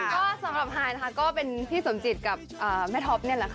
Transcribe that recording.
ก็สำหรับไฮนะคะก็เป็นพี่สมจิตกับแม่ท็อปนี่แหละค่ะ